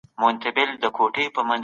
ماښام وروسته کافین خوب ګډوډوي.